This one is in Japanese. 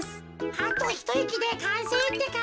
あとひといきでかんせいってか。